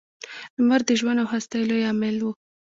• لمر د ژوند او هستۍ لوی عامل و.